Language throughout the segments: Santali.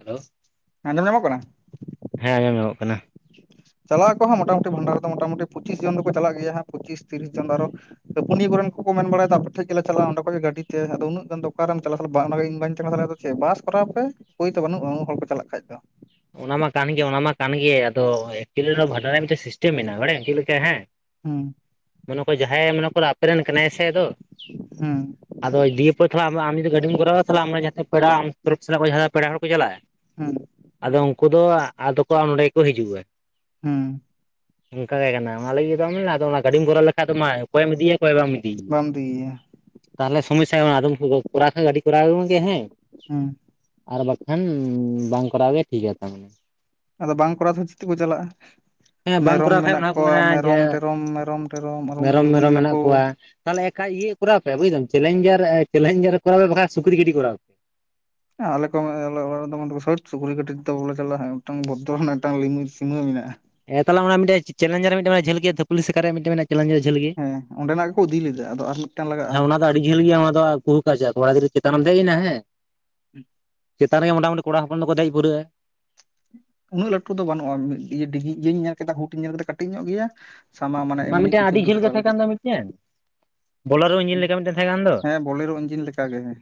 ᱦᱮᱞᱳ ᱟᱸᱡᱚᱢ ᱧᱟᱢᱚᱜ ᱠᱟᱱᱟ? ᱦᱮᱸ ᱟᱸᱡᱚᱢ ᱧᱟᱢᱚᱜ ᱠᱟᱱᱟ᱾ ᱪᱟᱞᱟᱜ ᱟᱠᱦᱚᱸ ᱢᱚᱴᱟᱢᱩ ᱵᱷᱚᱱᱰᱟ ᱨᱮᱫᱚ ᱢᱚᱴᱟᱢᱩᱴᱤ ᱯᱚᱸᱪᱤᱥ ᱡᱚᱱ ᱫᱚᱠᱚ ᱪᱟᱞᱟᱜ ᱜᱮᱭᱟ ᱦᱟᱸᱜ ᱯᱚᱸᱪᱤᱥ ᱛᱤᱨᱤᱥ ᱡᱚᱱ ᱫᱚ ᱟᱨᱚ ᱯᱮ ᱯᱩᱱᱭᱟᱹ ᱠᱚᱨᱮᱱ ᱠᱚᱠᱚ ᱢᱮᱱ ᱵᱟᱲᱟᱭᱟ ᱟᱯᱮ ᱴᱷᱮᱡ ᱜᱮᱞᱮ ᱪᱟᱞᱟᱜ-ᱟ ᱚᱰᱮ ᱠᱷᱚᱱ ᱜᱮ ᱜᱟᱹᱰᱤᱛᱮ ᱟ ᱩᱱᱟᱹᱜ ᱜᱟᱱ ᱫᱚ ᱚᱠᱟᱨᱮᱢ ᱪᱟᱞᱟᱣᱟᱜ ᱵᱟᱝᱤᱧ ᱪᱟᱞᱟᱣ ᱫᱟᱲᱮᱭᱟᱫᱟ᱾ ᱪᱮ ᱵᱟᱥ ᱠᱚᱨᱟᱣ ᱯᱮ ᱯᱟᱹᱭ ᱛᱚ ᱵᱟᱹᱱᱩᱜ-ᱟ ᱩᱱ ᱦᱚᱲ ᱯᱮ ᱪᱟᱞᱟᱜ ᱠᱷᱟᱡ ᱫᱚ᱾ ᱚᱱᱟ ᱢᱟ ᱠᱟᱱ ᱜᱮ ᱚᱱᱟ ᱢᱟ ᱠᱟᱱ ᱜᱮ ᱟᱫᱚ ᱮᱠᱪᱩᱭᱮᱞᱤ ᱵᱷᱟᱸᱰᱟᱱ ᱨᱮᱭᱟᱜ ᱢᱤᱫᱴᱮᱱ ᱥᱤᱥᱴᱮᱢ ᱢᱮᱱᱟᱜ-ᱟ ᱵᱟᱲᱟᱭᱟᱢ ᱪᱮᱫ ᱞᱮᱠᱟ ᱦᱮᱸ? ᱦᱩᱸ ᱢᱚᱱᱮ ᱠᱚ ᱡᱟᱦᱟᱸᱭ ᱢᱚᱱᱮ ᱠᱚᱨᱚ ᱟᱯᱮ ᱨᱮᱱ ᱠᱟᱱᱟᱭ ᱥᱮ ᱟᱫᱚ ᱦᱩᱸ ᱟᱫᱚ ᱫᱤᱭᱮ ᱯᱚᱨ ᱛᱷᱟ ᱟᱢ ᱡᱫᱤ ᱜᱟᱹᱰᱤᱢ ᱠᱚᱨᱟᱣᱟ ᱛᱷᱟᱞᱮ ᱟᱢ ᱨᱮᱱ ᱡᱟᱸᱦᱟ ᱛᱤᱱᱟᱹᱜ ᱯᱮᱲᱟ ᱟᱢ ᱛᱚᱨᱚᱯ ᱥᱮᱱ ᱠᱚ ᱡᱟᱦᱟᱸ ᱯᱮᱲᱟ ᱦᱚᱲ ᱠᱚ ᱪᱟᱞᱟᱜ-ᱟ ᱦᱩᱸ ᱟᱫᱚ ᱩᱝᱠᱩ ᱫᱚ ᱟᱫᱚ ᱠᱚ ᱱᱚᱸᱰᱮ ᱜᱮᱠᱚ ᱦᱤᱡᱩᱜ-ᱟ᱾ ᱦᱩᱸ ᱚᱱᱠᱟ ᱜᱮ ᱠᱟᱱᱟ ᱚᱱᱟ ᱞᱟᱹᱜᱤᱫ ᱫᱚ ᱟᱫᱚ ᱚᱱᱟ ᱜᱟᱹᱰᱤᱢ ᱠᱚᱨᱟᱣ ᱞᱮᱠᱷᱟᱡ ᱫᱚ ᱢᱟ ᱚᱠᱚᱭᱮᱢ ᱤᱫᱤᱭᱟ ᱚᱠᱭ ᱵᱟᱢ ᱵᱟᱢ ᱤᱫᱤᱭᱮᱭᱟ ᱛᱟᱦᱞᱮ ᱥᱚᱢᱚᱥᱥᱟ ᱟᱫᱚᱢ ᱠᱚᱨᱟᱣ ᱠᱷᱟᱱ ᱜᱟᱹᱰᱤ ᱠᱚᱨᱟᱣ ᱮᱢ ᱜᱮ ᱦᱮᱸ ᱦᱩᱸ ᱟᱨ ᱵᱟᱠᱷᱟᱱ ᱵᱟᱝ ᱠᱚᱨᱟᱣ ᱜᱮ ᱴᱷᱤᱠ ᱟ ᱛᱟ ᱢᱟᱱᱮ ᱟᱫᱚ ᱵᱟᱝ ᱠᱚᱨᱟᱣ ᱛᱮᱦᱚᱸ ᱪᱮᱫ ᱛᱮ ᱠᱚ ᱪᱟᱞᱟᱜ-ᱟ? ᱦᱮᱸ ᱵᱟᱝ ᱢᱮᱨᱚᱢ ᱠᱚᱨᱟᱣ ᱠᱷᱟᱡ ᱢᱮᱱᱟᱜ ᱚᱱᱟ ᱠᱚ ᱠᱚᱣᱟ ᱢᱮᱱᱟ ᱢᱮᱨᱚᱢ ᱡᱮ ᱴᱮᱨᱚᱢ ᱢᱮᱨᱚᱢ ᱴᱮᱨᱚᱢ ᱟᱨ ᱩᱱᱟᱹ ᱞᱩᱜᱽᱲᱤᱡ ᱞᱟᱯᱚ, ᱛᱟᱦᱞᱮ ᱮᱠ ᱟ ᱤᱭᱟᱹ ᱠᱚᱨᱟᱣ ᱯᱮ ᱵᱩᱡ ᱫᱟᱢ ᱪᱮᱞᱧᱡᱟᱨ ᱪᱮᱞᱮᱧᱡᱟᱨ ᱠᱚᱨᱟᱣ ᱯᱮ ᱵᱟᱠᱷᱟᱱ ᱥᱩᱠᱨᱤ ᱜᱟᱹᱰᱤ ᱠᱚᱨᱟᱣ ᱟᱞᱮ ᱠᱚ ᱚᱲᱟᱜ [unintelligible] ᱵᱚᱞᱮ ᱪᱟᱞᱟᱜᱼᱟ ᱢᱤᱫ ᱵᱚᱫᱽᱨᱚ ᱨᱮᱱᱟᱜ ᱢᱤᱫᱴᱟᱝ ᱞᱤᱢᱤᱴ ᱥᱤᱢᱟᱹ ᱢᱮᱱᱟᱜᱼᱟ ᱦᱮᱸ ᱛᱟᱦᱚᱞᱮ ᱚᱱᱟ ᱢᱤᱫᱴᱮᱡ ᱪᱮᱞᱧᱡᱟᱨ ᱨᱮ ᱢᱤᱫᱴᱟᱱ ᱡᱷᱟᱹᱞ ᱜᱮ ᱛᱚ ᱯᱩᱞᱤᱥ ᱥᱮᱠᱟᱨ ᱨᱮ ᱢᱤᱫᱴᱟᱱ ᱪᱮᱞᱮᱧᱡᱟᱨ ᱡᱷᱟᱹᱞ ᱦᱮᱸ ᱚᱸᱰᱮᱱᱟᱜ ᱜᱮᱠᱚ ᱤᱫᱤ ᱞᱮᱫᱟ ᱟᱫᱚ ᱟᱨ ᱢᱤᱫᱴᱟᱝ ᱞᱟᱜᱟᱜᱼᱟ ᱦᱮᱸ ᱚᱱᱟ ᱫᱚ ᱟᱹᱰᱤ ᱡᱷᱟᱹᱞ ᱜᱮᱭᱟ ᱚᱱᱟ ᱫᱚ [unintelligible] ᱠᱚᱲᱟ ᱜᱤᱫᱨᱟ. ᱪᱮᱛᱟᱱ ᱨᱮᱢ ᱫᱮᱡ ᱱᱟ ᱦᱮ [inaudible] ᱪᱮᱛᱟᱱ ᱨᱮᱜᱮ ᱢᱚᱴᱟᱢᱩᱴᱤ ᱠᱚᱲᱟ ᱦᱚᱯᱚᱱ ᱫᱚᱠᱚ ᱫᱮᱡ ᱯᱩᱨᱟᱹᱜᱼᱟ ᱩᱱᱟᱹᱜ ᱞᱟᱹᱴᱩ ᱫᱚ ᱵᱟᱹᱱᱩᱜᱼᱟ ᱤᱭᱟᱹᱧ ᱧᱮᱞ ᱠᱮᱫᱟ ᱦᱩᱴᱤᱧ ᱧᱮᱞ ᱠᱮᱫᱟ ᱠᱟᱹᱴᱤᱡ ᱧᱚᱜ ᱜᱮᱭᱟ ᱥᱟᱢᱟ ᱢᱟᱱᱮ ᱢᱟ ᱮᱢᱱᱤ ᱢᱤᱫᱴᱮᱱ ᱠᱤᱪᱷᱩ ᱟᱹᱰᱤ ᱫᱩᱲᱩᱵ ᱡᱷᱟᱹᱞ ᱜᱮ ᱵᱟᱲᱟ ᱛᱟᱦᱮᱸ ᱞᱟᱹᱜᱤᱫ ᱠᱟᱱ ᱫᱚ ᱢᱤᱫᱴᱮᱱ ᱵᱚᱞᱟᱨᱳ ᱤᱧᱡᱤᱱ ᱞᱮᱠᱟ ᱢᱤᱫᱴᱮᱱ ᱛᱟᱦᱮᱸ ᱠᱟᱱ ᱫᱚ ᱦᱮᱸ ᱵᱞᱮᱨᱳ ᱤᱧᱡᱤᱱ ᱞᱮᱠᱟ ᱜᱮ ᱦᱮ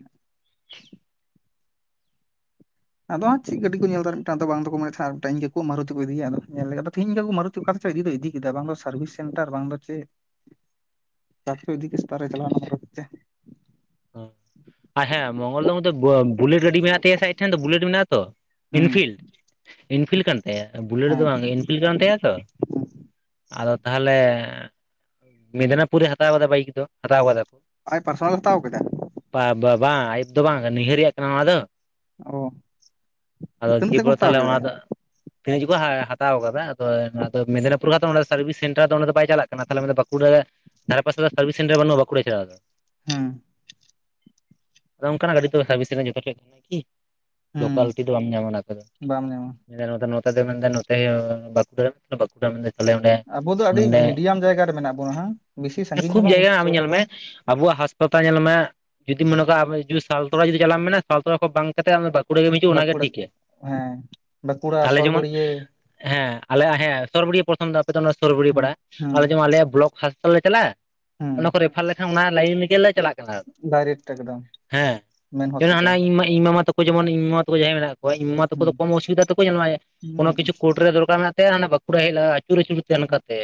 ᱟᱫᱚ ᱦᱟᱸᱜ ᱪᱮᱫ ᱜᱟᱹᱰᱤ ᱠᱚ ᱧᱮᱞ ᱫᱟ ᱢᱤᱫᱴᱟᱝ ᱫᱚ ᱵᱟᱝ ᱫᱚᱠᱚ ᱢᱮᱱᱮᱫ ᱤᱧ ᱜᱮ ᱠᱚ ᱢᱟᱨᱩᱛᱤ ᱠᱚ ᱤᱫᱤᱭᱟ ᱟᱫᱚ ᱧᱮᱞ ᱞᱮᱜᱮ ᱛᱮᱦᱮᱧ ᱜᱮ ᱠᱚ ᱢᱟᱨᱩ ᱛᱩ ᱚᱠᱟᱛᱮ ᱪᱚᱭ ᱤᱫᱤ ᱫᱚᱭ ᱤᱫᱤ ᱠᱮᱫᱟ ᱵᱟᱝ ᱫᱚ ᱥᱟᱨᱵᱷᱤᱥ ᱥᱮᱱᱴᱟᱨ ᱵᱟᱝ ᱫᱚ ᱪᱮᱫ ᱥᱟᱨ ᱠᱚ ᱤᱫᱤ ᱠᱮᱫ ᱛᱮ, ᱥᱮᱛᱟᱜ ᱨᱮ ᱪᱟᱞᱟᱣ ᱱᱟ ᱢᱟᱨᱚᱛᱤ ᱛᱮ ᱟᱨ ᱦᱮᱸ ᱢᱚᱝᱜᱚᱞ ᱫᱚ ᱵᱩᱞᱮᱴ ᱜᱟᱹᱰᱤ ᱢᱮᱱᱟᱜ ᱛᱟᱭᱟ ᱥᱮ ᱟᱡ ᱴᱷᱮᱱ ᱫᱚ ᱵᱩᱞᱮᱮᱴ ᱢᱮᱱᱟᱜᱼᱟ ᱛᱚ ᱦᱩᱸ ᱤᱱᱯᱷᱤᱞᱰ ᱤᱱᱯᱷᱤᱞᱰ ᱠᱟᱱ ᱛᱟᱭᱟ ᱵᱩᱞᱮᱴ ᱫᱚ ᱦᱮᱸ ᱵᱟᱝ ᱤᱱᱯᱷᱤᱞᱰ ᱠᱟᱱ ᱛᱟᱭᱟ ᱛᱚ ᱦᱩᱸ ᱟᱫᱚ ᱛᱟᱦᱚᱞᱮ ᱢᱮᱫᱽᱱᱟᱯᱩᱨᱮ ᱦᱟᱛᱟᱣ ᱟᱠᱟᱫᱟ ᱵᱟᱭᱤᱠ ᱫᱚ ᱦᱟᱛᱟᱣ ᱟᱠᱟᱫᱟ ᱠᱚ ᱟᱡ ᱯᱟᱨᱥᱚᱱᱟᱞ ᱮ ᱦᱟᱛᱟᱣ ᱠᱟᱫᱟ ᱵᱟ ᱵᱟᱝ ᱟᱭᱩᱵ ᱫᱚ ᱵᱟᱝ ᱱᱟ. ᱭᱦᱟ. ᱨ ᱨᱮᱱᱟᱜ ᱠᱟᱱᱟ ᱚᱱᱟᱫᱚ ᱚ ᱟᱫᱚ ᱛᱤᱱᱟᱹᱜ ᱛᱮᱠᱚ ᱫᱤᱭᱮᱯᱚᱨ ᱦᱟᱛᱟᱣ ᱛᱟᱞᱦᱮ ᱠᱮᱫᱟ ᱚᱱᱟ ᱫᱚ ᱛᱤᱱᱟᱹᱜ ᱡᱮᱠᱚ ᱦᱟᱛᱟᱣ ᱟᱠᱟᱫᱟ ᱟᱫᱚ ᱢᱮᱫᱽᱱᱤᱯᱩᱨ [unintelligible] ᱥᱟᱨᱵᱷᱤᱥ ᱥᱮᱱᱴᱟᱨ ᱫᱚ ᱚᱸᱰᱮ ᱫᱚ ᱵᱟᱭ ᱪᱟᱞᱟᱜ ᱠᱟᱱᱟ ᱛᱟᱦᱚᱞᱮ ᱢᱮᱱ ᱫᱟ ᱵᱟᱸᱠᱩᱲᱟ ᱫᱷᱟᱨᱮᱯᱟᱥᱮ ᱫᱚ ᱥᱟᱨᱵᱤᱥ ᱥᱮᱱᱴᱟᱨ ᱵᱟᱱᱩᱜᱟ ᱵᱟ. ᱠᱩᱲᱟ ᱪᱷᱟᱲᱟ ᱫᱚ ᱦᱮᱸ ᱟᱫᱚ ᱚᱱᱠᱟᱱᱟᱜ ᱜᱟᱹᱰᱤ ᱫᱚ ᱥᱟᱨᱵᱷᱤᱥ ᱡᱚᱛᱚ ᱴᱷᱮᱱ ᱠᱟᱱᱟ ᱠᱤ ᱦᱩᱸ ᱞᱳᱠᱟᱞᱴᱤ ᱫᱚ ᱵᱟᱢ ᱧᱟᱢᱟ ᱚᱱᱟ ᱠᱚᱫᱚ ᱵᱟᱢ ᱧᱟᱢᱟ ᱢᱮᱱ ᱫᱟ ᱱᱚᱛᱮ ᱫᱚ ᱢᱮᱱᱫᱟ ᱱᱚᱛᱮ ᱵᱟᱸᱠᱩᱲᱟ ᱵᱟᱸᱠᱩᱲᱟ ᱢᱮᱱᱫᱟ ᱛᱟᱦᱞᱮ ᱚᱸᱰᱮ ᱟᱵᱚ ᱫᱚ ᱟᱹᱰᱤ ᱱᱚᱰᱮ ᱢᱤᱰᱤᱭᱟᱢ ᱡᱟᱭᱜᱟ ᱨᱮ ᱢᱮᱱᱟᱜ ᱵᱚᱱᱟ ᱦᱟᱝ ᱵᱮᱥᱤ ᱥᱟᱺᱜᱤᱧ ᱦᱚᱸ ᱠᱷᱩᱵ ᱵᱟᱝ ᱡᱟᱭᱜᱟ ᱵᱮᱥᱤ ᱟᱢ ᱥᱩᱨ ᱧᱮᱞ ᱦᱚᱸ ᱵᱟᱝ ᱢᱮ ᱟᱵᱚᱣᱟᱜ ᱦᱟᱸᱥᱯᱟᱛᱟᱞ ᱧᱮᱞ ᱢᱮ ᱡᱩᱫᱤ ᱢᱚᱱᱮᱟᱜ ᱟ ᱡᱩᱫᱤ ᱥᱟᱞᱛᱳᱟ ᱡᱩᱫᱤ ᱪᱟᱞᱟᱢ ᱢᱮᱱᱟ ᱥᱟᱞᱛᱳᱲᱟ ᱠᱷᱚᱱ ᱵᱟᱝ ᱠᱟᱛᱮ ᱵᱟ ᱠᱟᱸᱠᱩᱲᱟ ᱜᱮᱢ ᱦᱤᱡᱩᱜᱟ ᱚᱱᱟᱜᱮ ᱵᱟᱸᱠᱩᱲᱟ ᱴᱷᱤᱠ ᱜᱮᱭᱟ ᱦᱮᱸ ᱵᱟᱸᱠᱩᱲᱟ, ᱥᱚᱨᱵᱟ. ᱨᱤᱭᱟᱹ ᱦᱮᱸ ᱟᱞᱮᱭᱟᱜ ᱦᱮᱸ ᱥᱚᱨᱵᱚᱨᱤᱭᱟᱹ ᱯᱨᱚᱛᱷᱚᱢ ᱫᱚ ᱟᱯᱮ ᱫᱚ ᱥᱚᱨᱵᱟᱹᱨᱤᱭᱟᱹ ᱦᱩᱸ ᱯᱟᱲᱟ ᱦᱩᱸ ᱟᱞᱮ ᱡᱮᱢᱚᱱ ᱟᱞᱭᱟᱜ ᱵᱞᱚᱠ ᱦᱟᱸᱥᱯᱟᱛᱟᱞ ᱞᱮ ᱪᱟᱞᱟᱜᱼᱟ ᱦᱩᱸ ᱚᱱᱟᱠᱚ ᱨᱮᱯᱷᱟᱨ ᱞᱮᱠᱷᱟᱱ ᱚᱱᱟ ᱞᱟᱭᱤᱱ ᱞᱮᱜᱮᱞᱮ ᱼᱼ ᱰᱟᱭᱨᱮᱠᱴ ᱮᱠᱫᱚᱢ ᱦᱮᱸ ᱢᱮᱱ ᱡᱮᱢᱚᱱ ᱦᱚᱥᱯᱤᱴᱟᱞ ᱦᱟᱱᱟ ᱤᱧᱼᱢᱟᱢᱟ ᱤᱧ ᱢᱟᱢᱟ ᱛᱟᱠᱚ ᱡᱮᱢᱚᱱ ᱤᱧ ᱢᱟᱢᱟ ᱛᱟᱠᱚ ᱡᱟᱦᱟᱸᱭ ᱢᱮᱱᱟᱜᱼᱼ ᱤᱧ ᱢᱟ ᱛᱟᱠᱚ ᱦᱩᱸ ᱫᱚ ᱠᱚᱢ ᱚᱥᱩᱵᱤᱫᱟ ᱛᱟᱠᱚ ᱧᱮᱞᱢᱮ ᱠᱳᱱᱳ ᱦᱮᱸ ᱠᱤᱪᱩ ᱠᱳᱴ ᱨᱮ ᱫᱚᱠᱟᱨ ᱢᱮᱱᱟᱜᱼᱼ ᱛᱮ ᱦᱟᱱᱮ ᱵᱟᱸᱠᱩᱲᱟ ᱦᱮᱡ ᱞᱟᱜᱟ ᱟᱪᱩᱨ ᱟᱪᱩᱨ ᱛᱮ ᱦᱟᱱᱠᱟᱼᱼ ᱛᱮ,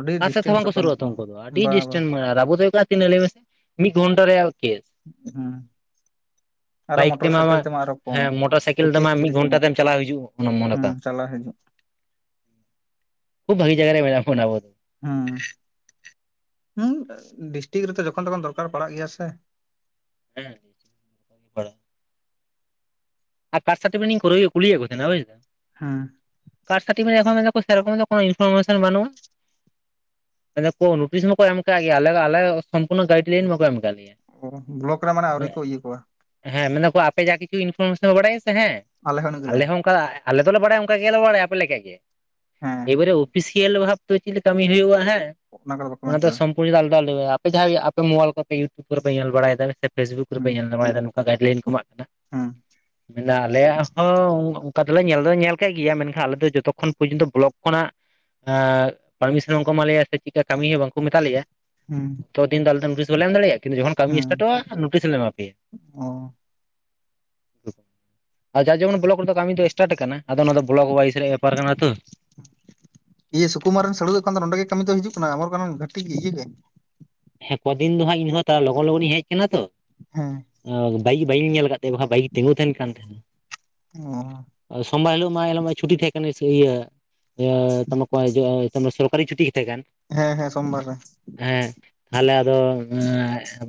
ᱟᱹᱰᱤ ᱚᱠᱟ ᱥᱮᱫ ᱛᱮᱦᱚᱸ ᱵᱟᱝᱠᱚ ᱰᱤᱥᱴᱮᱱᱥᱚᱜ ᱠᱟᱱᱟ ᱥᱩᱨᱩᱜᱼᱟ ᱛᱚ ᱠᱚ ᱩᱱᱠᱩ ᱫᱚ, ᱟᱹᱰᱤ ᱵᱟ ᱵᱟ ᱰᱤᱥᱴᱮᱱ ᱟᱵᱚ ᱫᱚ ᱦᱳᱭᱳᱜ ᱠᱟᱼᱼ ᱛᱤᱱᱟᱹᱜ ᱞᱟᱹᱭ ᱢᱮᱥᱮ, ᱢᱤᱜ ᱜᱚᱱᱴᱟ ᱨᱮᱭᱟᱜ ᱠᱮᱥ ᱾ ᱦᱩᱸᱼᱼ ᱵᱟᱭᱤᱠ ᱛᱮᱢᱟ ᱢᱟ ᱦᱮᱸ ᱢᱚᱴᱚᱨᱥᱟᱭᱠᱮᱞ ᱯᱚᱸᱪᱤᱥ ᱛᱮᱢᱟ ᱢᱤᱫ ᱛᱤᱨᱤᱥ ᱜᱷᱚᱱᱴᱟ ᱢᱤᱱᱤᱴ ᱛᱮᱢ ᱪᱟᱞᱟᱣ ᱦᱤᱡᱩᱜ ᱢᱚᱱᱮ ᱦᱩᱸ ᱛᱟᱢ ᱾ ᱪᱟᱞᱟᱜ ᱦᱤᱡᱩᱜ ᱠᱷᱩᱵ ᱵᱷᱟᱜᱮ ᱡᱟᱭᱜᱟ ᱨᱮ ᱢᱮᱱᱟᱜ ᱵᱚᱱᱟ ᱟᱵᱚ ᱫᱚ ᱾ ᱦᱩᱸ ᱩᱸᱜ ᱰᱤᱥᱴᱤᱠ ᱨᱮᱛᱚ ᱡᱚᱠᱷᱚᱱ ᱛᱚᱠᱷᱚᱱ ᱫᱚᱨᱠᱟᱨ ᱯᱟᱲᱟᱜ ᱜᱮᱭᱟ ᱥᱮᱼᱼ ᱩᱸᱼᱼ ᱟᱨ ᱠᱟᱥᱴᱴᱚᱯᱤᱠᱮᱴᱤᱧ ᱠᱩᱨᱤᱭ ᱠᱩᱞᱤᱭᱮᱫ ᱠᱚ ᱛᱟᱸᱦᱮᱱᱟ ᱵᱩᱡᱫᱟᱢ ᱾ ᱦᱩᱸᱼᱼ ᱠᱟᱥ ᱥᱟᱨᱴᱤᱯᱷᱤᱠᱮᱴ ᱮᱠᱷᱚᱱ ᱢᱮᱱᱫᱟᱠᱚ ᱥᱮᱨᱚᱠᱚᱢ ᱫᱚ ᱠᱳᱱᱳ ᱤᱱᱯᱷᱚᱨᱢᱮᱥᱚᱱ ᱵᱟᱹᱱᱩᱜᱼᱟ ᱾ ᱢᱮᱱᱫᱟᱠᱚ ᱱᱳᱴᱤᱥ ᱢᱟᱠᱚ ᱮᱫ ᱠᱟᱫ ᱜᱮᱭᱟ ᱟᱞᱮ ᱫᱚ ᱟᱞᱮᱼᱼ ᱠᱳᱱᱳ ᱜᱟᱭᱤᱰ ᱞᱟᱭᱤᱱ ᱵᱟᱠᱚ ᱮᱢ ᱟᱠᱟᱫ ᱞᱮᱭᱟ ᱵᱞᱚᱠ ᱨᱮ ᱢᱟᱱᱮ ᱟᱹᱣᱨᱤ ᱠᱚ ᱤᱭᱟᱹ ᱠᱚᱣᱟ ᱾ ᱦᱮᱸ ᱢᱮᱱᱫᱟᱠᱚ ᱟᱯᱮ ᱡᱟ ᱠᱤᱪᱷᱩ ᱤᱱᱯᱷᱚᱨᱢᱮᱥᱚᱱ ᱯᱮ ᱵᱟᱲᱟᱭᱟ ᱥᱮ ᱦᱮᱸ, ᱟᱞᱮ ᱦᱚᱸ ᱚᱱᱠᱟᱼᱼ ᱟᱞᱮ ᱫᱚᱞᱮ ᱵᱟᱲᱟᱭᱟ ᱚᱱᱠᱟ ᱜᱮᱞᱮ ᱵᱟᱲᱟᱭᱟ ᱟᱯᱮ ᱞᱮᱠᱟᱜᱮ, ᱦᱮᱸ ᱮᱵᱟᱨᱮ ᱚᱯᱷᱤᱥ ᱥᱤᱭᱟᱞᱤ ᱵᱷᱟᱵ ᱛᱮ ᱪᱮᱫ ᱞᱮ ᱠᱟᱢᱤ ᱦᱩᱭᱩᱜᱼᱟ ᱦᱮᱸ ᱠᱚᱫᱚ ᱵᱟᱠᱚ ᱚᱱᱟ ᱢᱮᱱ ᱫᱚ ᱠᱟᱫᱟ ᱥᱚᱢ [unintelligible] ᱟᱯᱮ ᱡᱟᱦᱟᱸᱭ ᱟᱯᱮ ᱢᱳᱵᱟᱞ ᱠᱚᱯᱮ ᱤᱭᱩᱴᱩᱵᱽ ᱠᱚᱯᱮ ᱧᱮᱞ ᱵᱟᱲᱟᱭᱫᱟ ᱦᱳᱭᱥᱮ ᱯᱷᱮᱥᱵᱩᱠ ᱠᱚᱨᱮᱯᱮ ᱦᱩᱸ ᱧᱮᱞ ᱵᱟᱲᱟᱭᱫᱟ ᱜᱟᱭᱤᱰ ᱞᱟᱭᱤᱱ ᱠᱚ ᱮᱢᱟᱜ ᱠᱟᱱᱟ ᱾ ᱦᱩᱸ ᱾ ᱢᱮᱱ ᱫᱟ ᱟᱞᱮᱭᱟᱜ ᱦᱚᱸ ᱩᱸ ᱼᱼ ᱛᱚ ᱟᱫᱚ ᱞᱮ ᱧᱮᱞ ᱫᱚᱞᱮ ᱧᱮᱞ ᱫᱚ ᱧᱮᱞ ᱠᱮᱜ ᱜᱮᱭᱟ ᱢᱮᱱᱠᱷᱟᱱ ᱟᱞᱮ ᱫᱚ ᱡᱚᱛᱚᱠ ᱠᱷᱚᱱ ᱯᱚᱨᱡᱚᱱᱛᱚ ᱵᱞᱚᱠ ᱠᱷᱚᱱᱟᱜ ᱮᱸᱫ ᱯᱟᱨᱢᱤᱥᱚᱱ ᱵᱟᱝᱠᱚ ᱮᱢᱟᱞᱮᱭᱟ ᱥᱮ ᱪᱮᱫᱠᱟ ᱠᱟᱹᱢᱤ ᱦᱚᱸ ᱵᱟᱝ ᱠᱚ ᱢᱮᱛᱟ ᱞᱮᱭᱟ ᱦᱩᱸ ᱾ ᱛᱚ ᱛᱤᱦᱤᱧ ᱫᱚ ᱟᱞᱮ ᱫᱚ ᱱᱳᱴᱤᱥ ᱵᱟᱞᱮ ᱮᱢ ᱫᱟᱲᱮᱜ-ᱟ ᱠᱤᱱᱛᱩ ᱡᱚᱠᱷᱚᱱ ᱠᱟᱹᱢᱤ ᱮᱥᱴᱟᱴᱚᱜᱼᱟ ᱱᱳᱴᱤᱥ ᱞᱮ ᱮᱢᱟᱯᱮᱭᱟ ᱾ ᱚ ᱾ ᱡᱟᱨ ᱡᱮᱢᱚᱱ ᱵᱞᱚᱠ ᱨᱮᱫᱚ ᱠᱟᱹᱢᱤ ᱫᱚ ᱮᱥᱴᱟᱴ ᱟᱠᱟᱱᱟ ᱟᱫᱚ ᱚᱱᱟ ᱫᱚ ᱵᱞᱚᱠ ᱚᱣᱟᱭᱤᱥ ᱨᱮᱭᱟᱜ ᱵᱮᱯᱟᱨ ᱠᱟᱱᱟ ᱛᱚ ᱾ ᱤᱭᱟᱹ ᱥᱩᱠᱩᱢᱟᱨ ᱨᱮᱱ ᱥᱟᱹᱲᱩ ᱫᱚ ᱮᱠᱷᱚᱱ ᱫᱚ ᱱᱚᱸᱰᱮ ᱜᱮ ᱠᱟᱹᱢᱤ ᱫᱚᱭ ᱦᱤᱡᱩᱜ ᱠᱟᱱᱟ ᱚᱢᱚᱨᱠᱟᱱᱚᱱ ᱜᱷᱟᱴᱤ ᱜᱮ ᱤᱭᱟᱹ ᱜᱮ? ᱦᱮᱸ ᱠᱚᱫᱤᱱ ᱫᱚ ᱦᱟᱸᱜ ᱤᱧᱦᱚᱸ ᱛᱟᱣ ᱞᱚᱜᱚᱱ ᱞᱚᱜᱚᱱᱤᱧ ᱦᱮᱡ ᱠᱟᱱᱟ ᱛᱚ ᱾ ᱦᱮᱸ ᱾ ᱮᱸ ᱵᱟᱭᱤᱠ ᱵᱟᱹᱧ ᱧᱮᱞ ᱟᱠᱟᱫ ᱛᱟᱭᱟ, ᱵᱟᱠᱷᱟᱱ ᱵᱟᱭᱤᱠ ᱛᱤᱸᱜᱩ ᱛᱟᱦᱮᱱ ᱠᱟᱱ ᱛᱟᱦᱮᱱᱟ ᱾ ᱚ [unintelligible] ᱥᱚᱢᱵᱟᱨ ᱦᱤᱞᱳᱜ ᱢᱟ ᱮᱱ ᱦᱤᱞᱳᱜ ᱢᱟ ᱪᱷᱩᱴᱤ ᱛᱟᱦᱮᱸ ᱠᱟᱱ ᱥᱩ ᱤᱭᱟᱹ ᱤᱭᱟᱹᱻ ᱛᱢᱚᱠᱚ ᱦᱤᱡᱩᱜ ᱟᱭ ᱛᱚᱢᱟ ᱥᱚᱨᱠᱟᱨᱤ ᱪᱷᱩᱴᱤ ᱜᱮ ᱛᱟᱦᱮᱸ ᱠᱟᱱ ᱾ ᱦᱮᱸ ᱦᱮᱸ ᱥᱳᱢᱵᱟᱨ ᱨᱮ ᱾ ᱦᱮᱸ ᱛᱟᱦᱚᱞᱮ ᱟᱫᱚ ᱮᱸ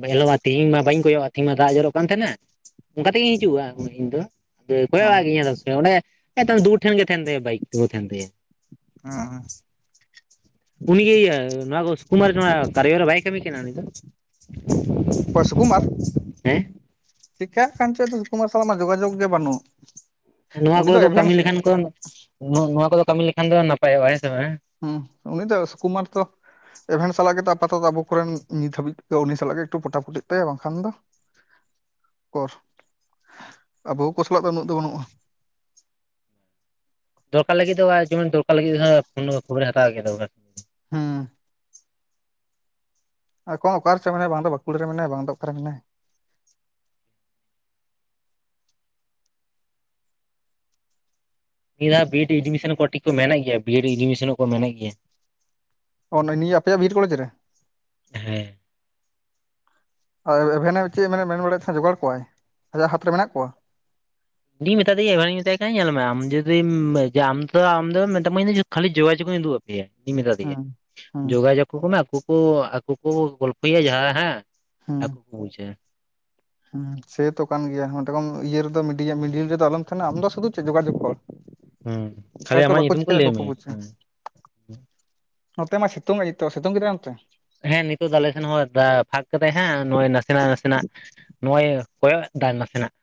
ᱮ ᱦᱤᱞᱳᱜ ᱢᱟ ᱛᱮᱦᱤᱧ ᱢᱟ ᱵᱟᱹᱧ ᱠᱚᱭᱚᱜᱼᱟᱜ ᱛᱮᱦᱮᱧ ᱢᱟ ᱫᱟᱜ ᱡᱚᱨᱚᱜ ᱠᱟᱱ ᱛᱟᱦᱮᱸᱱᱟ ᱾ ᱚᱱᱠᱟ ᱛᱮᱜᱤᱧ ᱦᱤᱡᱩᱜᱼᱟ ᱤᱧ ᱫᱚ ᱾ ᱫᱤᱭᱮ ᱚ ᱠᱚᱭᱚᱜᱼᱟᱜ ᱜᱤᱭᱟᱹᱧ ᱟᱫᱮᱠ ᱥᱚᱢᱚᱭ ᱚᱸᱰᱮ ᱮᱛᱚ ᱫᱩᱣᱟᱹᱨ ᱴᱷᱮᱱ ᱜᱮ ᱛᱟᱸᱦᱮᱱ ᱛᱟᱭᱟ ᱵᱟᱭᱤᱠ ᱛᱤᱜᱩ ᱛᱟᱦᱮᱱ ᱛᱟᱭᱟ ᱾ ᱦᱮᱸ ᱩᱱᱤ ᱜᱮ ᱤᱭᱟᱹ ᱱᱚᱣᱟ ᱠᱚ ᱥᱩᱠᱩᱢᱟᱨ ᱱᱚᱣᱟ ᱠᱟᱨᱭᱚ ᱨᱮ ᱵᱟᱭ ᱠᱟᱢᱤ ᱠᱟᱱᱟ ᱩᱱᱤ ᱫᱚ? ᱚ ᱥᱩᱠᱩᱢᱟᱨ? ᱦᱮᱸ ᱪᱮᱠᱟᱜ ᱠᱟᱱ ᱪᱚᱭ ᱟᱫᱚ ᱥᱩᱠᱩᱢᱟᱨ ᱥᱟᱶᱢᱟ ᱡᱳᱜᱟᱡᱳᱜ ᱜᱮ ᱵᱟᱹᱱᱩᱜ ᱾ ᱱᱚᱣᱟ ᱠᱚᱨᱮᱫᱚ ᱠᱟᱹᱢᱤ ᱞᱮᱠᱷᱟᱱ ᱠᱚ ᱱᱚᱣᱟ ᱠᱚᱫᱚ ᱠᱟᱹᱢᱤ ᱞᱮᱠᱷᱟᱱ ᱫᱚ ᱱᱟᱯᱟᱭᱚᱜᱼᱟ ᱦᱮᱸᱥᱮ ᱵᱟᱝ ᱦᱮᱸ? ᱦᱩᱸ ᱩᱱᱤ ᱫᱚ ᱥᱩᱠᱩᱢᱟᱨ ᱛᱚ ᱮᱵᱷᱮᱱ ᱥᱟᱞᱟᱜ ᱜᱮᱛᱚ ᱟᱯᱟᱛᱚᱛᱚ ᱟᱵᱚ ᱠᱚᱨᱮᱱ ᱱᱤᱛ ᱦᱟᱹᱵᱤᱡ ᱛᱮᱫᱚ ᱩᱱᱤ ᱥᱟᱞᱟᱜ ᱜᱮ ᱮᱠᱴᱩ ᱯᱚᱴᱟ ᱯᱴᱤᱜ ᱛᱟᱭᱟ ᱵᱟᱝᱠᱷᱟᱱ ᱫᱚ ᱚᱠᱚᱨ, ᱟᱵᱚ ᱠᱚ ᱥᱟᱞᱟᱜ ᱫᱚ ᱩᱱᱟᱹᱜ ᱫᱚ ᱵᱟᱹᱱᱩᱜᱼᱟ ᱾ ᱫᱚᱨᱠᱟᱨ ᱞᱟᱹᱜᱤᱫ ᱫᱚ ᱡᱮᱢᱚᱱ ᱫᱚᱨᱠᱟᱨ ᱞᱟᱹᱜᱤᱫ ᱨᱮᱦᱚ ᱯᱷᱳᱱ ᱫᱚ ᱠᱷᱚᱵᱚᱨᱮ ᱦᱟᱛᱟᱣ ᱠᱮᱭᱟ ᱛᱚ ᱵᱟᱠᱷᱟᱡ ᱾ ᱦᱩᱸ ᱾ ᱚᱠᱷᱚᱱ ᱚᱠᱟ ᱨᱮᱪᱚ ᱢᱮᱱᱟᱭᱟ, ᱵᱟᱝ ᱫᱚ ᱵᱟᱸᱠᱩᱲᱟ ᱨᱮ ᱢᱮᱱᱟᱭᱟ ᱵᱟᱝ ᱫᱚ ᱚᱠᱟᱨᱮ ᱢᱮᱱᱟᱭᱟ ᱾ ᱱᱤᱭᱟᱹ ᱫᱷᱟᱣ ᱵᱤ ᱮᱰ ᱮᱰᱢᱤᱥᱚᱱ ᱠᱚ ᱢᱮᱱᱮᱜ ᱜᱮᱭᱟ, ᱵᱤ ᱮᱰ ᱮᱰᱢᱤᱥᱚᱱᱚᱜ ᱠᱚ ᱢᱮᱱᱮᱜ ᱜᱮᱭᱟ ᱾ ᱚ ᱱᱚᱼᱚ ᱱᱤᱭᱟᱹ ᱟᱯᱮᱭᱟᱜ ᱵᱤ ᱮᱰ ᱠᱚᱞᱮᱡᱽ ᱨᱮ? ᱦᱮᱸ ᱾ ᱟᱹᱭ ᱮᱵᱷᱮᱱᱮᱢ ᱪᱮᱫ ᱮ ᱢᱮᱱ ᱵᱟᱲᱟᱭᱮᱫ ᱛᱟᱦᱮᱸᱱ ᱡᱚᱜᱟᱲ ᱠᱚᱣᱟᱭ? ᱟᱡᱟᱜ ᱦᱟᱛ ᱨᱮ ᱢᱮᱱᱟᱜ ᱠᱚᱣᱟ? ᱤᱧ ᱢᱮᱛᱟ ᱫᱮᱭᱟ ᱮᱵᱷᱮᱱᱤᱧ ᱢᱮᱛᱟᱭ ᱠᱟᱱᱟ ᱧᱮᱞ ᱢᱮ ᱟᱢ ᱡᱩᱫᱤᱢ ᱡᱮ ᱟᱢ ᱛᱚ ᱟᱢ ᱫᱚ ᱢᱮᱛᱟᱢᱟᱹᱧ ᱠᱷᱟᱹᱞᱤ ᱡᱳᱜᱟᱡᱳᱜ ᱤᱧ ᱩᱫᱩᱜ ᱤᱧ ᱢᱮᱛᱟ ᱫᱮᱭᱟᱹ, ᱦᱩᱸ ᱦᱩᱸ ᱡᱳᱜᱟᱡᱳᱜᱽ ᱟᱠᱚ, [unintelligible] ᱟᱠᱚ ᱠᱚ ᱟᱠᱚ ᱠᱚ ᱜᱚᱞᱯᱷᱚᱭᱟ ᱡᱟᱦᱟᱸ ᱦᱟᱸᱜ ᱦᱩᱸ ᱟᱠᱚ ᱠᱚ ᱵᱩᱪᱟ ᱾ ᱦᱩᱸ ᱥᱮᱛᱚ ᱠᱟᱱ ᱜᱮᱭᱟ ᱢᱮᱛᱟ ᱠᱚᱢ ᱤᱭᱟᱹ ᱨᱮᱫᱚ ᱢᱤᱰᱤᱭᱟ ᱢᱤᱰᱤᱞ ᱨᱮᱫᱚ ᱟᱞᱚᱢ ᱛᱟᱦᱮᱸᱱᱟ ᱟᱢ ᱫᱚ ᱥᱩᱫᱩ ᱪᱮᱫ ᱡᱳᱜᱟᱡᱳᱜᱽ ᱦᱩᱸ [unintelligible] ᱠᱷᱟᱹᱞᱤ ᱪᱮᱠᱟᱭᱟᱠᱚ ᱟᱢᱟᱜ ᱵᱟᱠᱚ ᱧᱩᱛᱩᱢ ᱪᱮᱠᱟᱭᱟ ᱞᱟᱹᱭ ᱟᱠᱚ ᱠᱚ ᱢᱮᱭᱟ ᱵᱩᱪᱟ ᱾ ᱱᱚᱛᱮ ᱢᱟ ᱥᱤᱛᱩᱝ ᱮᱫ ᱜᱮ ᱛᱚ ᱾ ᱥᱤᱛᱩᱝ ᱠᱮᱫᱟᱭ ᱚᱱᱛᱮ? ᱦᱮᱸ ᱱᱤᱛᱚᱜ ᱫᱚ ᱟᱞᱮ ᱥᱮᱱ ᱦᱚᱸ ᱯᱷᱟᱸᱠ ᱠᱟᱫᱟᱭ ᱦᱟᱸᱜ ᱱᱚᱜᱼᱚᱭ ᱱᱟᱥᱮᱱᱟᱜ ᱱᱟᱥᱮᱱᱟᱜ ᱱᱚᱜᱼᱚᱭ ᱠᱚᱭᱚᱜ ᱫᱟᱭ ᱱᱟᱥᱮᱱᱟᱜ ᱾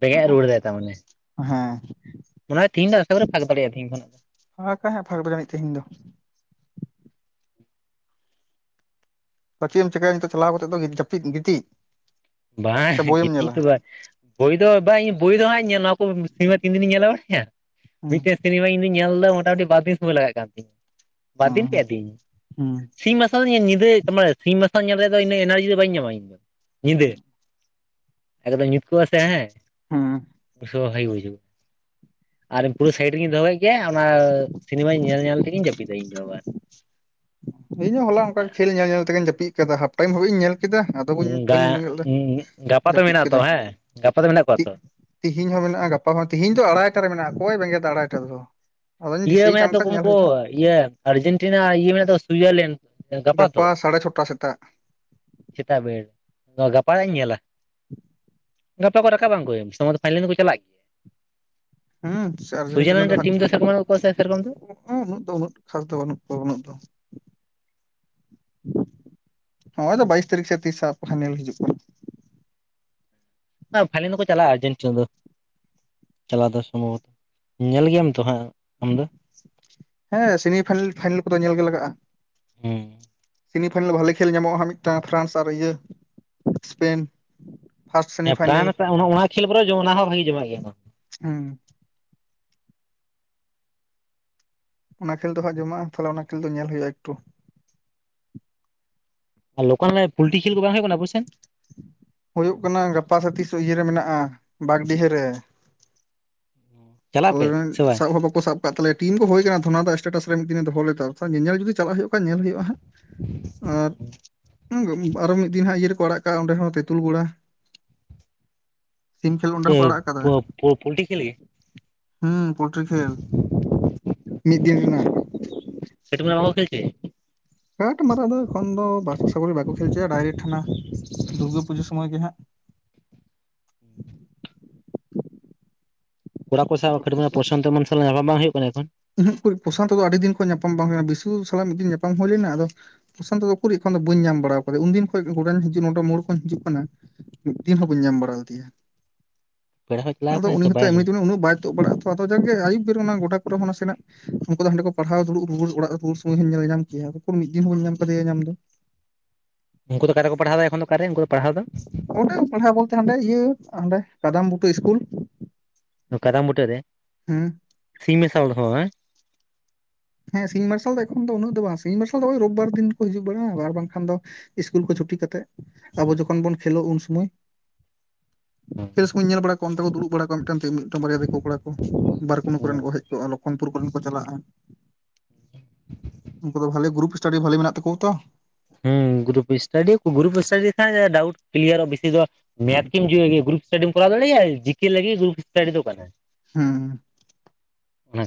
ᱵᱮᱸᱜᱮᱫ ᱨᱩᱣᱟᱹᱲ ᱫᱟᱭ ᱛᱟᱢᱟᱱᱮ, ᱚ ᱦᱮᱸ ᱢᱚᱱᱮ ᱦᱚᱭ ᱛᱤᱦᱤᱧ ᱫᱚ ᱟᱥᱟ ᱠᱚᱨᱮ ᱯᱷᱟᱸᱠ ᱫᱟᱲᱮᱜᱼᱟ, ᱛᱤᱦᱤᱧ ᱠᱷᱚᱱᱟᱜ ᱫᱚ ᱾ ᱯᱷᱟᱸᱠ ᱠᱟᱜ ᱦᱟᱸ [unintelligible] ᱜ, ᱯᱷᱟᱸᱠ ᱫᱟᱲᱮᱭᱟᱜᱼᱟ ᱛᱮᱦᱮᱧ ᱫᱚ ᱾ ᱟ ᱪᱮᱫ ᱮᱢ ᱪᱤᱠᱟᱭᱟ ᱱᱤᱛᱚᱜ ᱪᱟᱞᱟᱣ ᱠᱟᱛᱮ ᱫᱚ ᱡᱟᱹᱯᱤᱫ ᱜᱤᱛᱤᱡ? ᱥᱮ ᱵᱟᱝ ᱵᱳᱭᱮᱢ ᱜᱤᱛᱤᱡ ᱧᱮᱞᱟ ᱫᱚ ᱵᱟᱝ ᱾ ᱵᱳᱭ ᱫᱚ ᱵᱟᱝ ᱤᱧ ᱵᱳᱭ ᱫᱚ ᱦᱟᱸᱜ ᱤᱧ ᱧᱮᱞᱟ ᱾ ᱛᱚ ᱥᱮᱵᱟᱨ ᱛᱤᱱ ᱫᱤᱱᱤᱧ ᱧᱮᱞᱟ [unintelligible] ᱦᱩᱸ ᱢᱤᱫᱴᱮᱡ ᱥᱤᱱᱮᱢᱟ ᱤᱧ ᱫᱚᱧ ᱧᱮᱞ ᱮᱫᱟ, ᱢᱳᱴᱟᱼᱢᱩᱴᱤ ᱵᱟᱨ ᱫᱤᱱ ᱥᱚᱢᱚᱭ ᱞᱟᱜᱟᱜ ᱠᱟᱱ ᱛᱤᱧᱟᱹ, ᱵᱟᱨ ᱫᱤᱱ ᱦᱩᱸ ᱯᱮ ᱫᱤᱱ ᱦᱩᱸ ᱾ ᱥᱤᱧ ᱢᱟᱨᱥᱟᱞ ᱧᱤᱫᱟᱹ ᱢᱟᱱᱮ ᱥᱤᱧ ᱢᱟᱨᱥᱟᱞ ᱧᱮᱞ ᱨᱮ ᱫᱚ ᱤᱱᱟᱹ ᱮᱱᱟᱨᱡᱤ ᱫᱚ ᱵᱟᱹᱧ ᱧᱟᱢᱟ ᱤᱧᱫᱚ ᱧᱤᱫᱟᱹ ᱾ [unintelligible] ᱧᱩᱛ ᱠᱚᱜᱼᱟ ᱥᱮ ᱦᱮᱸ ᱦᱩᱸ [unintelligible] ᱵᱩᱡᱷᱟᱹᱣ ᱟᱨ ᱯᱩᱨᱟᱹ ᱥᱟᱭᱤᱰ ᱨᱮᱜᱮᱧ ᱫᱚᱦᱚᱼᱼ ᱜᱮᱭᱟ ᱚᱱᱟ ᱥᱤᱱᱤᱢᱟ ᱧᱮᱞ ᱧᱮᱞ ᱛᱮᱜᱮᱧ ᱡᱟᱹᱯᱤᱫᱟ ᱤᱧ ᱫᱚ ᱵᱟᱥ ᱾ ᱤᱧ ᱦᱚᱸ ᱦᱚᱞᱟ ᱚᱱᱠᱟ ᱜᱮ ᱠᱷᱮᱞ ᱧᱮᱞ ᱧᱮᱞ ᱛᱮᱜᱮᱧ ᱡᱟᱹᱯᱤᱫ ᱟᱠᱟᱫᱟ ᱦᱟᱸᱜ, ᱴᱟᱭᱤᱢ ᱦᱟᱵᱤᱡ ᱤᱧ ᱧᱮᱞ ᱠᱮᱫᱟ ᱾ ᱟᱫᱚ ᱵᱟᱹᱧ ᱵᱟᱹᱧ ᱜᱟ ᱵᱮᱸᱜᱮᱫ ᱞᱮᱫᱟ, ᱜᱟᱯᱟ ᱛᱚ ᱡᱟᱹᱯᱤᱫ ᱢᱮᱱᱟᱜ ᱛᱚ ᱠᱮᱫᱟᱹᱧ ᱦᱮᱸ ᱜᱟᱯᱟ ᱫᱚ ᱢᱮᱱᱟᱜ ᱠᱚᱣᱟ ᱛᱚ ᱾ ᱛᱤᱦᱤᱧ ᱦᱚᱸ ᱢᱮᱱᱟᱜᱼᱟ, ᱜᱟᱯᱟ ᱦᱚᱸ ᱛᱤᱦᱤᱧ ᱫᱚ ᱟᱲᱷᱟᱭᱴᱟ ᱨᱮ ᱢᱮᱱᱟᱜᱼᱟ, ᱚᱠᱚᱭ ᱵᱮᱸᱜᱮᱫᱟ ᱟᱲᱷᱟᱭᱴᱟ ᱨᱮ ᱫᱚ ᱾ ᱟᱫᱚᱧ ᱤᱭᱟᱹ ᱫᱤᱥᱟᱹᱭ ᱪᱟᱢ ᱢᱮᱱᱟᱜ ᱛᱟᱠᱚ ᱠᱷᱟᱱ ᱧᱮᱞ ᱩᱱᱠᱩ ᱦᱩᱭᱩᱜᱼᱟ ᱾ ᱤᱭᱟᱹ ᱟᱨᱡᱮᱱᱴᱤᱱᱟ ᱟᱨ ᱤᱭᱟᱹ ᱢᱮᱱᱟᱜ ᱛᱚ ᱥᱩᱭᱡᱟᱨᱞᱮᱱᱰ, ᱜᱟᱯᱟ ᱛᱚ? ᱥᱟᱲᱮ ᱪᱷᱚᱴᱟ ᱥᱮᱛᱟᱜ ᱥᱮᱛᱟᱜ ᱵᱮᱲ ᱱᱚᱣᱟ ᱜᱟᱯᱟ ᱦᱟᱸᱜ ᱤᱧ ᱧᱮᱞᱟ᱾ ᱾ [unintelligible] ᱜᱟᱯᱟ ᱠᱚ ᱨᱟᱠᱟᱵᱼᱟ ᱩᱱᱠᱚ ᱜᱮ, ᱥᱮᱢᱤ ᱯᱷᱟᱭᱱᱮᱞ ᱨᱮᱠᱚ ᱪᱟᱞᱟᱜᱼᱼ ᱦᱩᱸ ᱟᱨᱡᱮᱱᱴᱤᱱᱟ ᱥᱩᱭᱡᱟᱨᱞᱮᱱᱰ ᱦᱟᱸᱜ ᱴᱤᱢ ᱫᱚ ᱥᱮᱨᱚᱠᱚᱢ ᱠᱚᱥ ᱥᱮᱨᱚᱠᱚᱢ ᱛᱚ? ᱩᱱᱟᱹᱜ ᱫᱚ ᱩᱱᱟᱹᱜ ᱠᱷᱟᱥ ᱫᱚ ᱵᱟᱹᱱᱩᱜ ᱠᱚᱣᱟ ᱩᱱᱟᱹᱜ ᱫᱚ ᱾ ᱦᱜᱚᱭ ᱛᱚ ᱵᱟᱭᱤᱥ ᱛᱟᱹᱨᱤᱠᱷ ᱥᱮ ᱛᱤᱥᱟᱜ ᱯᱷᱭᱱᱮᱞ ᱦᱟᱸᱜ ᱦᱤᱡᱩᱜ ᱠᱟᱱᱟ ᱾ ᱦᱟᱸᱜ ᱯᱷᱟᱭᱱᱮᱞ ᱫᱚᱠᱚ ᱪᱟᱞᱟᱜᱼᱟ ᱟᱨᱡᱮᱱᱴᱤᱱ ᱫᱚ ᱾ ᱪᱟᱞᱟᱣ ᱫᱚ ᱥᱚᱢᱵᱷᱚᱵᱚᱛᱚ, ᱧᱮᱞ ᱜᱮᱭᱟᱢ ᱛᱚ ᱦᱟᱸᱜ ᱟᱢ ᱫᱚ? ᱦᱮᱸ ᱥᱮᱢᱤ ᱯᱷᱟᱭᱱᱮᱞ ᱯᱷᱟᱭᱱᱮᱞ ᱠᱚᱫᱚ ᱧᱮᱞ ᱜᱮ ᱞᱟᱜᱟᱜᱼᱟ ᱾ ᱦᱮᱸ ᱥᱮᱢᱤ ᱯᱷᱟᱭᱱᱟᱞ ᱵᱷᱟᱞᱮ ᱠᱷᱮᱞ ᱧᱟᱢᱚᱜᱼᱟ ᱦᱟᱸᱜ ᱢᱤᱫᱴᱟᱝ ᱯᱷᱨᱟᱱᱥ ᱟᱨ ᱤᱭᱟᱹ ᱤᱥᱯᱮᱱ ᱾ ᱦᱮᱸ ᱯᱨᱟᱱ ᱚᱱᱟ ᱚᱱᱟ ᱦᱚᱸ ᱠᱷᱮᱞ ᱵᱚᱨᱚᱝ ᱚᱱᱟ ᱦᱚᱸ ᱵᱷᱟᱜᱮ ᱡᱚᱢᱟᱜ ᱜᱮᱭᱟ ᱾ ᱦᱩᱸ ᱾ ᱚᱱᱟ ᱠᱷᱮᱞ ᱫᱚ ᱦᱟᱸᱜ ᱡᱚᱢᱟᱜᱼᱟ, ᱛᱟᱦᱟᱞᱮ ᱚᱱᱟ ᱠᱷᱮᱞ ᱫᱚ ᱧᱮᱞ ᱦᱩᱭᱩᱜᱼᱟ ᱮᱠᱴᱩ ᱾ ᱟᱨ ᱞᱳᱠᱟᱞ ᱚᱱᱮ ᱯᱩᱞᱴᱤ ᱠᱷᱮᱞ ᱠᱚ ᱵᱟᱝ ᱦᱩᱭᱩᱜ ᱠᱟᱱᱟ ᱟᱵᱚ ᱥᱮᱫ? ᱦᱩᱭᱩᱜ ᱠᱟᱱᱟ ᱜᱟᱯᱟ ᱥᱮ ᱛᱤᱥ ᱤᱭᱟᱹ ᱨᱮ ᱢᱮᱱᱟᱜᱼᱟ, ᱵᱟᱜᱽᱰᱤᱦᱟᱹ ᱨᱮ ᱾ ᱪᱟᱞᱟᱜ ᱟᱯᱮ ᱥᱮ [unintelligible] ᱵᱟᱝ? ᱥᱟᱵ ᱦᱚᱸ ᱵᱟᱠᱚ ᱥᱟᱵ ᱟᱠᱟᱫ ᱛᱟᱞᱮᱭᱟ, ᱴᱤᱢ ᱠᱚ ᱦᱳᱭ ᱠᱟᱱᱟ ᱛᱚ ᱚᱱᱟ ᱫᱚ ᱮᱴᱮᱴᱟᱥ ᱨᱮ ᱢᱤᱫ ᱫᱤᱱ ᱮ ᱫᱚᱦᱚ ᱞᱮᱫᱟ, ᱧᱮᱧᱮᱞ ᱡᱩᱫᱤ ᱪᱟᱞᱟᱜ ᱦᱩᱭᱩᱜ ᱠᱷᱟᱡ ᱧᱮᱞ ᱦᱩᱭᱩᱜᱼᱟ ᱦᱟᱸᱜ ᱾ ᱟᱨ ᱟᱨᱚ ᱢᱤᱫ ᱫᱤᱱ ᱦᱟᱸᱜ ᱤᱭᱟᱹ ᱨᱮᱠᱚ ᱟᱲᱟᱜ ᱠᱟᱜᱼᱟ ᱚᱸᱰᱮ ᱦᱚᱸ ᱛᱩᱞᱜᱚᱲᱟ ᱾ ᱪᱮ ᱯᱚ ᱯᱳᱞᱴᱤ ᱠᱤᱱ ᱞᱟᱹᱜᱤᱫ? ᱦᱩᱸ ᱯᱳᱞᱴᱨᱤ ᱠᱷᱮᱞ, ᱢᱤᱫ ᱫᱤᱱ ᱨᱮᱱᱟᱜ᱾ ᱦᱮᱴ ᱢᱟ ᱵᱚᱞ ᱛᱮᱠᱤ᱾ ᱠᱟᱴ ᱢᱟᱨᱟᱣ ᱫᱚ ᱮᱠᱷᱚᱱ ᱫᱚ ᱵᱟᱨᱥᱟ ᱥᱟᱜᱚᱨ ᱵᱟᱠᱚ ᱠᱷᱮᱞ ᱦᱪᱚᱭᱟ ᱰᱟᱭᱨᱮᱠᱴ ᱦᱟᱱᱟ ᱫᱩᱨᱜᱟᱹ ᱯᱩᱡᱟᱹ ᱥᱚᱢᱳᱭ ᱜᱮ ᱦᱟᱸᱜ᱾ ᱠᱚᱲᱟ ᱠᱚ ᱥᱟᱶ [unintelligible] ᱯᱨᱚᱥᱟᱱᱛᱚ ᱮᱢᱚᱱ ᱥᱟᱞᱟᱜ ᱧᱟᱯᱟᱢ ᱵᱟᱝ ᱦᱩᱭᱩᱜ ᱠᱟᱱᱟ ᱮᱠᱷᱚᱱ? ᱩᱸᱦᱩᱸᱜ ᱩᱠᱩᱨᱤᱡ ᱯᱨᱚᱥᱟᱱᱛᱚ ᱟᱹᱰᱤ ᱫᱤᱱ ᱠᱷᱚᱡ ᱧᱟᱯᱟᱢ ᱵᱟᱝ ᱦᱩᱭ ᱵᱤᱥᱩ ᱥᱟᱞᱟᱜ ᱢᱤᱫ ᱫᱤᱱ ᱧᱟᱯᱟᱢ ᱦᱩᱭ ᱞᱮᱱᱟ ᱟᱫᱚ ᱯᱨᱚᱥᱟᱱᱛᱚ ᱫᱚ ᱩᱠᱩᱨᱤᱡ ᱮᱠᱷᱚᱱ ᱫᱚ ᱵᱟᱹᱧ ᱧᱟᱢ ᱵᱟᱲᱟᱣ ᱠᱟᱫᱤ ᱩᱱᱫᱤᱱ ᱠᱷᱚᱡ ᱜᱚᱰᱮᱱ ᱦᱤᱡᱩᱜ ᱱᱚᱰᱮ ᱢᱳᱲ ᱠᱷᱚᱱ ᱦᱤᱡᱩᱜ ᱠᱟᱱᱟ᱾ ᱢᱤᱫ ᱫᱤᱱ ᱦᱚᱸ ᱵᱟᱹᱧ ᱧᱟᱢ ᱵᱟᱲᱟᱣ ᱠᱟᱫᱤᱭᱟ, ᱯᱮᱲᱟ ᱦᱚᱸ ᱪᱟᱞᱟᱣ ᱟᱫᱚ ᱟᱠᱟᱱᱟᱭ ᱩᱱᱤ ᱥᱮ ᱦᱚᱸᱛᱚ ᱵᱟᱭ ᱮᱢᱱᱤ ᱛᱮᱢᱟ ᱩᱱᱟᱹᱜ ᱵᱟᱭ ᱛᱩᱫ ᱵᱟᱲᱟᱜᱼᱟ ᱛᱚ᱾ ᱛᱚ ᱟᱫᱚ ᱡᱟᱠ ᱜᱮ ᱟᱹᱭᱩᱵ ᱵᱮᱲ ᱚᱱᱟ ᱜᱚᱰᱟ ᱠᱚᱨᱮ ᱦᱚᱸ ᱱᱟᱥᱮᱱᱟᱜ ᱩᱱᱠᱩ ᱫᱚ ᱦᱟᱸᱰᱮ ᱠᱚ ᱯᱟᱲᱦᱟᱣ ᱫᱩᱲᱩᱵ ᱨᱩᱣᱟᱹᱨ ᱚᱲᱟᱜ ᱨᱩᱣᱟᱹᱨ ᱥᱚᱢᱚᱭ ᱦᱚᱸᱧ ᱧᱮᱞ ᱧᱟᱢ ᱠᱮᱭᱟ ᱩᱠᱩᱨ ᱢᱤᱫ ᱫᱤᱱ ᱦᱚᱸ ᱵᱟᱹᱧ ᱧᱟᱢ ᱠᱟᱫᱮᱭᱟ ᱧᱟᱢ ᱫᱚ᱾ ᱩᱱᱠᱩ ᱫᱚ ᱟᱠᱟᱨᱮ ᱠᱚ ᱯᱟᱲᱦᱟᱣ ᱫᱟ ᱮᱠᱷᱚᱱ ᱫᱚ ᱟᱠᱟᱨᱮ ᱩᱱᱠᱩ ᱫᱚ ᱯᱟᱲᱦᱟᱣ ᱫᱚ? ᱚᱸᱰᱮ ᱯᱟᱲᱦᱟᱣ ᱵᱳᱞᱛᱮ ᱦᱟᱸᱰᱮ ᱤᱭᱟᱹ ᱦᱟᱸᱰᱮ ᱠᱟᱫᱟᱢ ᱵᱩᱴᱟᱹ ᱤᱥᱠᱩᱞ᱾ ᱚ ᱠᱟᱫᱟᱢ ᱵᱩᱴᱟᱹ ᱨᱮ? ᱦᱩᱸ᱾ ᱥᱤᱧ ᱢᱮᱥᱟ ᱦᱚᱲ ᱦᱚᱭ᱾ ᱦᱮᱸ ᱥᱤᱧ ᱢᱟᱨᱥᱟᱞ ᱫᱚ ᱮᱠᱷᱚᱱ ᱫᱚ ᱩᱱᱟᱹᱜ ᱫᱚ ᱵᱟᱝ ᱥᱤᱧ ᱢᱟᱨᱥᱟᱞ ᱫᱚ ᱳᱭ ᱨᱳᱵᱽᱼᱵᱟᱨ ᱫᱤᱱ ᱠᱚ ᱦᱤᱡᱩᱜ ᱵᱟᱲᱟᱜᱼᱟ ᱟᱨ ᱵᱟᱝᱠᱷᱟᱱ ᱫᱚ ᱤᱥᱠᱩᱞ ᱠᱩ ᱪᱷᱩᱴᱤ ᱠᱟᱛᱮᱜ᱾ ᱟᱵᱚ ᱡᱚᱠᱷᱚᱱ ᱵᱚᱱ ᱠᱷᱮᱞᱳᱜ ᱩᱱ ᱥᱚᱢᱚᱭ, ᱠᱷᱮᱞ ᱥᱚᱢᱚᱧ ᱧᱮᱞ ᱵᱟᱲᱟ ᱠᱚᱣᱟ ᱚᱱᱛᱮ ᱠᱚ ᱫᱩᱲᱩᱵ ᱵᱟᱲᱟ ᱠᱚᱜᱼᱟ ᱢᱤᱫ- ᱴᱟᱹᱝ ᱛᱮ ᱢᱤᱫᱴᱟᱝ ᱵᱟᱨᱭᱟ ᱫᱤᱠᱩ ᱠᱚᱲᱟ ᱠᱚ ᱵᱟᱨᱠᱩᱱᱩ ᱠᱚᱨᱮᱱ ᱠᱚ ᱦᱮᱡ ᱠᱚᱜᱼᱟ ᱞᱚᱠᱷᱚᱱᱯᱩᱨ ᱠᱚᱨᱮᱱ ᱠᱚ ᱪᱟᱞᱟᱜᱼᱟ᱾ ᱩᱱᱠᱩ ᱫᱚ ᱵᱷᱟᱞᱮ ᱜᱩᱨᱩᱯ ᱮᱥᱴᱟᱰᱤ ᱵᱷᱟᱹᱞᱤ ᱢᱮᱱᱟᱜ ᱛᱟᱠᱳᱣᱟ ᱛᱚ᱾ ᱦᱩᱸ ᱜᱩᱨᱩᱯ ᱮᱥᱴᱟᱰᱤ ᱭᱟᱠᱚ ᱜᱩᱨᱩᱯ ᱮᱥᱴᱟᱰᱤ ᱠᱷᱟᱡ ᱰᱟᱣᱩᱴ ᱠᱤᱞᱤᱭᱟᱨᱚᱜᱼᱟ, ᱵᱤᱥᱤ ᱫᱚ ᱢᱮᱛ ᱠᱤᱱ ᱡᱩᱣᱤ ᱜᱮ ᱜᱩᱨᱩᱯ ᱮᱥᱴᱟᱰᱤᱢ ᱠᱚᱨᱟᱣ ᱫᱟᱲᱮᱭᱟᱜᱼᱟ, ᱡᱤ ᱠᱮ ᱞᱟᱹᱜᱤᱜ ᱜᱩᱨᱩᱯ ᱮᱥᱴᱟᱰᱤ ᱫᱚ ᱚᱠᱟᱨᱮ? ᱦᱩᱸ ᱚᱱᱟ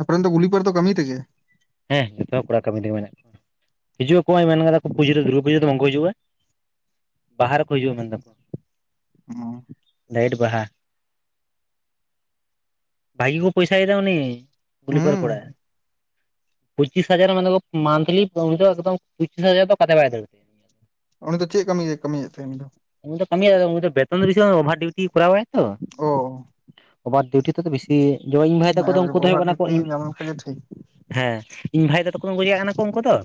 ᱟᱯᱮᱨᱮᱱ ᱫᱚ ᱜᱩᱞᱤ ᱯᱟᱹᱲ ᱛᱚ ᱠᱟᱹᱢᱤ ᱛᱮᱜᱮ? ᱦᱮᱸᱦ ᱡᱚᱛᱚ ᱦᱚ ᱠᱚᱲᱟ ᱠᱟᱹᱢᱤ ᱨᱮᱜᱮ ᱢᱮᱱᱟᱜ ᱠᱚᱣᱟ, ᱦᱤᱡᱩᱜ ᱟᱠᱚ ᱟᱸᱭ ᱢᱮᱱ ᱠᱟᱫᱟ ᱠᱚ ᱯᱩᱡᱟᱹ ᱨᱮ ᱫᱩᱨᱜᱟᱹ ᱯᱩᱡᱟᱹ ᱫᱚ ᱵᱟᱝ ᱠᱚ ᱦᱤᱡᱩᱜᱼᱟ᱾ ᱵᱟᱦᱟ ᱨᱮᱠᱚ ᱦᱤᱡᱩᱜᱼᱟ ᱢᱮᱱ ᱮᱫᱟ ᱠᱚ᱾ ᱦᱩᱸ᱾ ᱰᱟᱹᱭᱤᱴ ᱵᱟᱦᱟ, ᱵᱷᱟᱹᱜᱤ ᱠᱚ ᱯᱚᱭᱥᱟᱭᱮᱫᱟ ᱩᱱᱤ᱾ ᱜᱩᱞᱤ ᱯᱟᱨ ᱦᱩᱸ ᱠᱚᱲᱟ᱾ ᱯᱩᱪᱤᱥ ᱦᱟᱡᱟᱨ ᱢᱮᱱ ᱮᱫᱟ ᱠᱚ ᱢᱟᱱᱛᱷᱟᱹᱞᱤ ᱩᱱᱤ ᱫᱚ ᱮᱠᱫᱚᱢ ᱯᱚᱸᱪᱤᱥ ᱦᱟᱡᱟᱨ ᱫᱚ ᱚᱠᱟ ᱛᱮᱦᱚᱸ ᱵᱟᱭ ᱫᱟᱹᱲ ᱮᱫᱟ᱾ ᱩᱱᱤ ᱫᱚ ᱪᱮᱜ ᱠᱟᱹᱢᱤ ᱫᱚᱭ ᱠᱟᱹᱢᱤᱭᱮᱜ ᱛᱟᱦᱮᱸᱜ ᱩᱱᱤ ᱫᱚ? ᱩᱱᱤ ᱫᱚ ᱠᱟᱹᱢᱤᱭᱟᱭ ᱟᱫᱚ ᱩᱱᱤ ᱫᱚ ᱵᱮᱛᱚᱱ ᱫᱚ ᱵᱮᱥᱤ ᱵᱟᱝ ᱳᱵᱷᱟᱨ ᱰᱤᱣᱴᱤ ᱠᱚᱨᱟᱣ ᱟᱭ ᱛᱚ᱾ ᱚ ᱳᱵᱷᱟᱨ ᱰᱤᱣᱴᱤ ᱛᱮᱫᱚ ᱵᱮᱥᱤ ᱡᱮᱢᱳᱱ ᱤᱧ ᱵᱷᱟᱭ ᱛᱮᱠᱚ ᱫᱚ ᱩᱝᱠᱩ ᱫᱚ ᱦᱩᱭᱩᱜ ᱚᱵᱷᱟᱨ ᱠᱟᱱᱟ ᱠᱚ ᱰᱤᱭᱩᱴᱤ ᱤᱢᱤ, ᱧᱟᱢ ᱞᱮᱠᱷᱟᱡ ᱜᱮ ᱴᱷᱤᱠ ᱦᱮᱸ᱾ ᱤᱧ ᱵᱷᱟᱭ ᱛᱮᱠᱚ ᱫᱚ ᱩᱝᱠᱩ ᱪᱮᱠᱟᱜ ᱠᱟᱱᱟ ᱠᱚ ᱩᱝᱠᱩ ᱫᱚ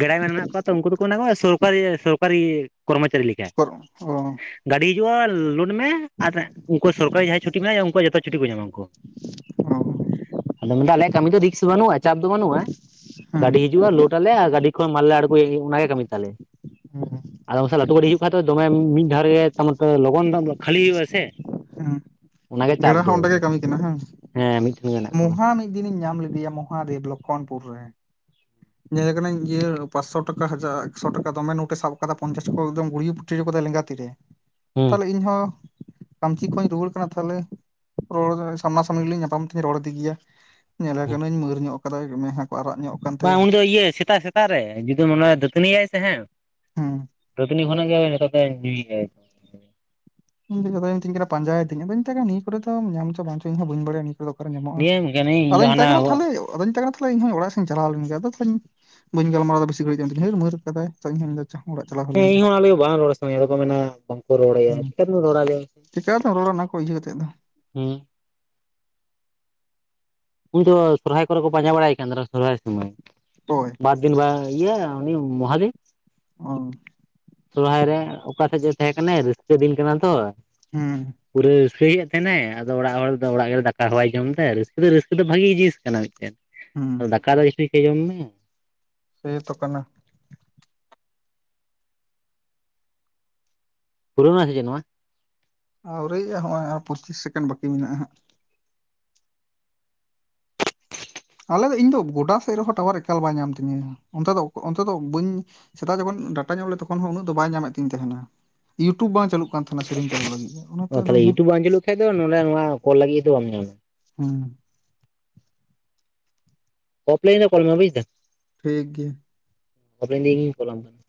ᱜᱮᱲᱟᱭ ᱢᱮᱱ ᱢᱮᱱᱟᱜ ᱠᱚᱣᱟ ᱛᱚ ᱩᱝᱠᱩ ᱫᱚᱠᱚ ᱢᱮᱱ ᱟᱠᱚ ᱥᱚᱨᱠᱟᱹᱨᱤᱭᱟᱹ ᱥᱚᱨᱠᱟᱨᱤᱭᱟᱹ ᱠᱚᱨᱢᱚᱪᱟᱹᱨᱤ ᱞᱮ ᱥᱚᱠᱚᱨ ᱚ᱾ ᱜᱟᱹᱰᱤ ᱦᱤᱡᱩᱜᱼᱟ, ᱞᱩᱰ [unintelligible] ᱢᱮ ᱟᱨ ᱩᱝᱠᱩ ᱥᱚᱨᱠᱟᱨᱤᱭᱟᱹ ᱡᱟᱦᱟᱸᱭ ᱪᱷᱩᱴᱤ ᱢᱮᱱᱟᱜᱼᱟ, ᱩᱝᱠᱩ ᱣᱟᱜ ᱡᱚᱛᱚ ᱪᱷᱩᱴᱤ ᱠᱚ ᱧᱟᱢ ᱟᱠᱚ ᱾ ᱟᱫᱚᱢ ᱢᱮᱱ ᱮᱫᱟ ᱟᱞᱮᱭᱟᱜ ᱠᱟᱹᱢᱤ ᱫᱚ ᱨᱤᱠᱥ ᱵᱟᱹᱱᱩᱜᱼᱟᱡ? ᱫᱚ ᱵᱟᱹᱱᱩᱜᱼᱟᱸᱭ, ᱦᱩᱸ ᱜᱟᱹᱰᱤ ᱦᱤᱡᱩᱜᱼᱟ ᱞᱳᱰ ᱟᱞᱮ ᱟᱨ ᱜᱟᱹᱰᱤ ᱠᱷᱚᱱ ᱢᱟᱞ ᱞᱮ ᱟᱬᱜᱳᱭᱟ ᱮᱸ ᱚᱱᱟᱜᱮ ᱠᱟᱹᱢᱤ ᱛᱟᱞᱮ᱾ ᱦᱩᱸ ᱟᱫᱚ ᱯᱟᱥᱮ ᱞᱟᱹᱴᱩ ᱜᱟᱹᱰᱤ ᱦᱤᱡᱩᱜ ᱠᱷᱟᱡ ᱫᱚ ᱫᱚᱢᱮᱢ ᱢᱤᱫ ᱫᱷᱟᱣ ᱨᱮᱜᱮ ᱛᱚ ᱢᱟᱛᱚ ᱞᱚᱜᱚᱱ ᱱᱚᱸᱜ ᱠᱷᱟᱹᱞᱤ ᱦᱩᱭᱩᱜᱼᱟ ᱥᱮ? ᱦᱩᱸ᱾ ᱚᱱᱟᱜᱮ ᱪᱟᱵ ᱜᱮᱲᱟ ᱫᱚ ᱦᱚᱸ ᱚᱸᱰᱮ ᱜᱮ ᱟᱫᱚ, ᱠᱟᱹᱢᱤ ᱠᱟᱱᱟ ᱦᱮᱸ ᱦᱮᱸ ᱢᱤᱫ ᱢᱚᱦᱟ ᱢᱤᱫ ᱫᱤᱱᱤᱧ ᱧᱟᱢ ᱞᱤᱫᱮᱭᱟ ᱢᱚᱦᱟᱫᱮᱵᱽ ᱞᱚᱠᱷᱚᱱᱯᱩᱨ ᱨᱮ, ᱧᱮᱞᱮ ᱠᱟᱹᱱᱟᱹᱧ ᱤᱭᱟᱹ ᱯᱟᱸᱴᱥᱚ ᱴᱟᱠᱟ ᱦᱟᱡᱟ ᱮᱠ ᱥᱚ ᱴᱟᱠᱟ ᱫᱚᱢᱮ ᱱᱳᱴ ᱮ ᱥᱟᱵ ᱟᱠᱟᱫᱟ ᱯᱚᱧᱪᱟᱥ ᱠᱚ ᱮᱠᱫᱚᱢ ᱜᱩᱲᱤᱭᱩ ᱯᱩᱴᱭᱩᱫ ᱟᱠᱟᱫᱟᱭ ᱞᱮᱸᱜᱟ ᱛᱤ ᱨᱮ᱾ [inaudible] ᱦᱩᱸ ᱛᱟᱦᱚᱞᱮ ᱤᱧ ᱦᱚᱸ ᱠᱟᱹᱢᱪᱤ ᱠᱷᱚᱡ ᱤᱧ ᱨᱩᱣᱟᱹᱲ ᱠᱟᱱᱟ ᱛᱟᱦᱚᱞᱮ, ᱨᱚᱲ ᱫᱚ ᱥᱟᱢᱱᱟ ᱥᱟᱹᱢᱱᱤ ᱞᱤᱧ ᱧᱟᱯᱟᱢ ᱛᱷᱮ ᱨᱚᱲ ᱤᱫᱤ ᱜᱤᱭᱟ, ᱧᱮᱞᱮ ᱦᱩᱸ ᱠᱟᱹᱱᱟᱹᱧ ᱢᱟᱹᱨ ᱧᱚᱜ ᱟᱠᱟᱫᱟᱭ ᱢᱮᱜ ᱦᱟᱸᱜ ᱠᱚ ᱟᱨᱟᱜ ᱧᱚᱜ ᱠᱟᱱ ᱵᱟᱝ ᱛᱟᱭᱟ ᱩᱱᱤ ᱫᱚ ᱤᱭᱟᱹ ᱥᱮᱛᱟᱜ ᱥᱮᱛᱟᱜ ᱨᱮ ᱡᱩᱫᱤ ᱢᱳᱱᱮ ᱦᱩᱭᱩᱜᱼᱟ, ᱫᱟᱹᱛᱱᱤᱭᱟᱭ ᱥᱮ ᱦᱟᱸᱜ ᱦᱩᱸ ᱫᱟᱹᱛᱟᱹᱱᱤ ᱠᱷᱚᱱᱟᱡ ᱜᱮ ᱱᱮᱛᱟᱨ ᱫᱚᱭ ᱧᱩᱭ ᱮᱫᱟᱭ᱾ ᱤᱧ ᱫᱮᱜᱮ ᱟᱫᱚᱭ ᱢᱤᱛᱟᱹᱧ ᱠᱟᱱᱟ ᱯᱟᱸᱡᱟᱭᱮ ᱛᱤᱧ, ᱟᱫᱚᱧ ᱢᱤᱛᱟᱭ ᱠᱟᱱᱟ ᱱᱤᱭᱟᱹ ᱠᱚᱨᱮ ᱫᱚ ᱧᱟᱢ ᱪᱚ ᱵᱟᱝ ᱪᱚ ᱤᱧ ᱦᱚᱸ ᱵᱟᱹᱧ ᱵᱟᱲᱟᱭᱟᱹᱱᱤᱡ᱾ ᱚᱱᱟ ᱫᱚ ᱚᱠᱟᱨᱮ ᱧᱟᱢᱚᱜᱼᱟ, ᱞᱟᱹᱭᱟᱢ ᱠᱟᱹᱱᱟᱹᱧ ᱤᱧ ᱫᱚ ᱟᱫᱚᱧ ᱢᱮᱛᱟᱭ ᱦᱟᱱᱟ ᱠᱟᱱᱟ ᱛᱟᱦᱮᱞᱮ, ᱟᱫᱚᱧ ᱢᱮᱛᱟᱭ ᱠᱟᱱᱟ ᱛᱟᱦᱚᱞᱮ ᱤᱧᱦᱚᱸ ᱚᱲᱟᱜ ᱥᱮᱧ ᱪᱟᱞᱟᱣ ᱞᱮᱱ ᱜᱮ, ᱟᱫᱚ ᱛᱟᱦᱮᱧ ᱵᱟᱹᱧ ᱜᱟᱞᱢᱟᱨᱟᱣ ᱮᱫᱟ ᱵᱤᱥᱤ ᱜᱷᱟᱹᱲᱤᱡ ᱮᱱᱛᱮ ᱦᱟᱹᱨ ᱢᱟᱹᱨ ᱠᱟᱫᱟᱭ [unintelligible] ᱡᱟᱦᱟᱸ ᱚᱲᱟᱜ ᱪᱟᱞᱟᱣ᱾ ᱦᱩᱭ ᱞᱮᱱ ᱦᱮᱸ ᱜᱮ ᱤᱧ ᱦᱚᱸ ᱟᱞᱮ ᱵᱟᱝ ᱨᱚᱲ ᱥᱟᱱᱟᱧᱟ ᱟᱫᱚ ᱠᱚ ᱢᱮᱱᱟ ᱵᱟᱝᱠᱚ ᱨᱚᱲ ᱟᱭᱟ ᱪᱮᱠᱟ ᱪᱤᱠᱟᱹᱛᱮᱢ ᱨᱚᱲᱼᱟ, ᱚᱱᱟ ᱠᱚ ᱤᱭᱟᱹ ᱠᱟᱛᱮᱫ ᱫᱚ᱾ ᱦᱩᱸ ᱾ ᱩᱱ ᱫᱚ ᱥᱚᱨᱦᱟᱭ ᱠᱚᱨᱮ ᱠᱚ ᱯᱟᱸᱡᱟ ᱵᱟᱲᱟᱭ ᱠᱟᱱ ᱛᱟᱦᱮᱱᱟ ᱥᱚᱨᱦᱟᱭ ᱥᱩᱢᱚᱭ ᱾ ᱦᱳᱭ ᱾ ᱵᱟᱨ ᱫᱤᱱ ᱵᱟ ᱤᱭᱟᱹ ᱩᱱᱤ ᱢᱚᱦᱟᱫᱮᱵᱽ ᱾ ᱚ ᱾ ᱥᱚᱨᱚᱦᱟᱭ ᱨᱮ ᱚᱠᱟ ᱥᱮᱫ ᱨᱮ ᱪᱚᱭ ᱛᱟᱦᱮᱸ ᱠᱟᱱᱮ ᱨᱟᱹᱥᱠᱟᱹ ᱫᱤᱱ ᱠᱟᱱᱟ ᱛᱚ ᱾ ᱦᱩᱸ ᱾ ᱯᱩᱨᱟᱹ ᱯᱷᱤᱨᱤᱭᱮᱫ ᱛᱟᱦᱮᱱᱟᱭ ᱟᱫᱚ ᱟᱲᱟᱜ ᱦᱚᱲ ᱫᱚ ᱫᱟᱠᱟ ᱦᱚᱸ ᱵᱟᱭ ᱡᱚᱢ ᱫᱟ ᱨᱟᱹᱥᱠᱟᱹ ᱫᱚ ᱨᱟᱹᱥᱠᱟᱹ ᱫᱚ ᱵᱷᱟᱜᱤ ᱡᱤᱱᱤᱥ ᱠᱟᱱᱟ ᱢᱤᱫᱴᱮᱱ ᱦᱩᱸ ᱾ ᱟᱫᱚ ᱫᱟᱠᱟ ᱫᱚ ᱤᱥᱤᱠᱟ ᱡᱚᱢ ᱢᱮ ᱾ ᱥᱮ ᱛᱚ ᱠᱟᱱᱟ ᱾ ᱯᱩᱨᱟᱹᱣ ᱱᱟ ᱥᱮ ᱪᱮᱫ ᱱᱚᱣᱟ? ᱟᱹᱣᱨᱤᱭᱜᱼᱟ ᱱᱚᱜᱼᱚᱭ ᱟᱨ ᱯᱚᱸᱪᱤᱥ ᱥᱮᱠᱮᱱᱰ ᱵᱟᱠᱤ ᱢᱮᱱᱟᱜᱼᱟ ᱦᱟᱜ ᱾ ᱟᱞᱮ ᱫᱚ ᱤᱧ ᱫᱚ ᱜᱚᱰᱟ ᱥᱮᱫ ᱨᱮᱦᱚᱸ ᱴᱟᱣᱟᱨ ᱮᱠᱟᱞ ᱵᱟᱭ ᱧᱟᱢ ᱛᱤᱧᱟᱹ ᱚᱱᱛᱮ ᱫᱚ ᱚᱱᱛᱮ ᱫᱚ ᱵᱟᱹᱧ ᱥᱮᱫᱟᱜ ᱡᱚᱠᱷᱚᱱ ᱰᱟᱴᱟᱧ ᱚᱱ ᱞᱮᱫ ᱛᱚᱠᱷᱚᱱ ᱦᱚᱸ ᱩᱱᱟᱹᱜ ᱫᱚ ᱵᱟᱭ ᱧᱟᱢᱮᱫ ᱛᱤᱧ ᱛᱟᱦᱮᱱᱟ ᱾ ᱤᱭᱩᱴᱩᱵᱽ ᱵᱟᱝ ᱪᱟᱹᱟᱞᱩᱜ ᱠᱟᱱ ᱛᱟᱦᱮᱱᱟ ᱥᱮᱨᱮᱧ ᱪᱟᱹᱟᱞᱩᱜ ᱞᱟᱹᱜᱤᱫ ᱚᱱᱟᱛᱮ ᱚ ᱟᱫᱚ ᱛᱟᱦᱚᱞᱮ ᱤᱭᱩᱴᱩᱵᱽ ᱵᱟᱝ ᱪᱟᱹᱞᱩᱜ ᱠᱷᱟᱡ ᱫᱚ ᱱᱚᱰᱮ ᱱᱚᱣᱟ ᱠᱚᱞ ᱞᱟᱹᱜᱤᱫ ᱫᱚ ᱵᱟᱢ ᱧᱟᱢᱟ ᱦᱩᱸ ᱾ ᱚᱯ ᱞᱟᱭᱤᱱ ᱨᱮ ᱠᱚᱞ ᱢᱮ ᱵᱩᱡ ᱫᱟᱢ ᱾ ᱴᱷᱤᱠ ᱜᱮᱭᱟ ᱾ ᱟᱯᱮ ᱱᱤᱧ‌ ᱠᱚᱞᱟᱢ ᱠᱟᱱᱟ ᱾